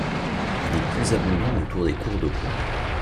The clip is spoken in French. Il est plus abondant autour des cours d'eau.